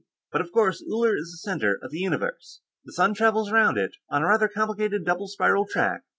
But, of course, Uller is the center of the universe; the sun travels around it, on a rather complicated double spiral track.